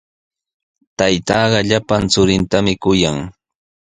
Taytaaqa llapan churintami kuyan.